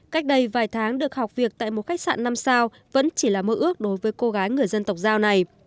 cách đây vài tháng được học việc tại một khách sạn năm sao vẫn chỉ là mơ ước đối với cô gái người dân tộc giao này